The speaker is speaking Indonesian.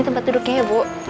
tempat duduknya ya bu